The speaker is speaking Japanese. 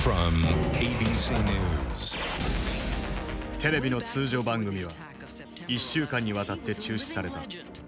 テレビの通常番組は１週間にわたって中止された。